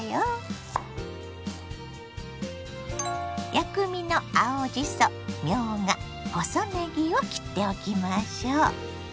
薬味の青じそみょうが細ねぎを切っておきましょ。